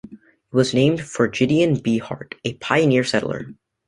It was named for Gideon B. Hart, a pioneer settler.